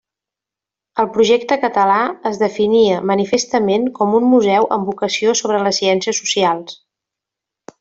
El projecte català es definia manifestament com un museu amb vocació sobre les ciències socials.